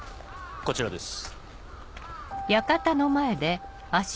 こちらです。